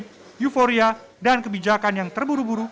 kemampuan publik euforia dan kebijakan yang terburu buru